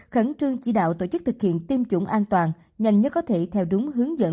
khẩn trương chỉ đạo tổ chức thực hiện tiêm chủng an toàn nhanh nhất có thể theo đúng hướng dẫn